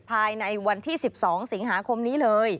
ภายในวันที่๑๒สิงหาคมนี้เลย